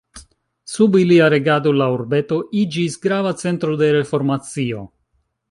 Sub ilia regado la urbeto iĝis grava centro de reformacio.